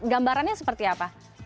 gambarannya seperti apa